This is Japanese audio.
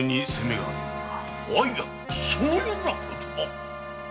あいやそのようなことは。